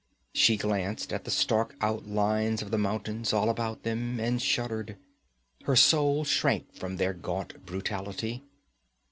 She glanced at the stark outlines of the mountains all about them and shuddered. Her soul shrank from their gaunt brutality.